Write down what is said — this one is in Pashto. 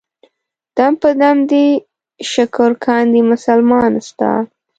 دم په دم دې شکر کاندي مسلمان ستا.